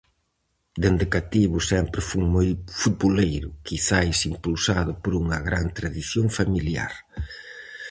Dende cativo sempre fun moi futboleiro, quizais impulsado por unha gran tradición familiar.